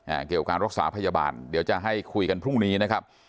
เกี่ยวกับการรักษาพยาบาลเดี๋ยวจะให้คุยกันพรุ่งนี้นะครับ